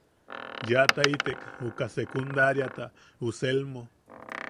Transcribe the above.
Yaʼataitek uka secundariata uʼu Selmo.